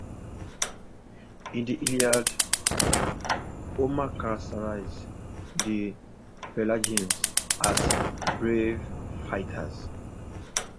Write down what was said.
In the "Iliad", Homer characterizes the Pelasgians as brave fighters.